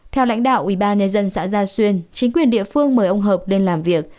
theo lãnh đạo ubnd xã gia xuyên chính quyền địa phương mời ông hợp lên làm việc